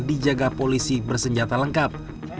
dijaga polisi bersenjata lengkap